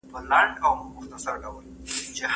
هغه تعميرونه چي د دولت دي، بايد وساتل سي.